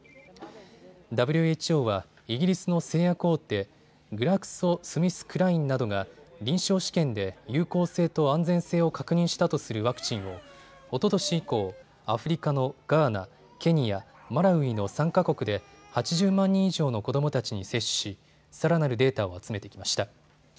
ＷＨＯはイギリスの製薬大手、グラクソ・スミスクラインなどが臨床試験で有効性と安全性を確認したとするワクチンをおととし以降、アフリカのガーナ、ケニア、マラウイの３か国で８０万人以上の子どもたちに接種しさらなるデータを集めてきました。